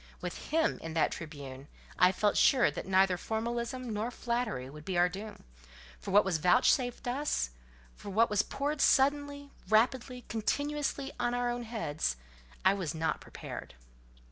With him in that Tribune, I felt sure that neither formalism nor flattery would be our doom; but for what was vouchsafed us, for what was poured suddenly, rapidly, continuously, on our heads—I own I was not prepared.